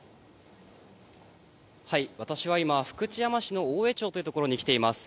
私は今、福知山市の大江町というところに来ています。